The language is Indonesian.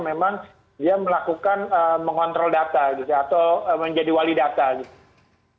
memang dia melakukan mengontrol data gitu atau menjadi wali data gitu